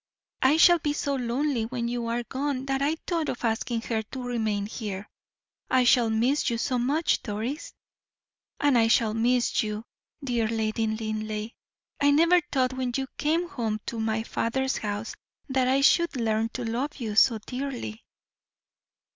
I shall be so lonely when you are gone that I thought of asking her to remain here. I shall miss you so much, Doris." "And I shall miss you, dear Lady Linleigh. I never thought when you came home to my father's house, that I should learn to love you so dearly."